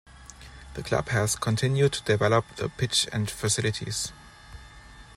The Club has continued to develop the pitch and facilities.